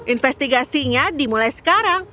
investigasinya dimulai sekarang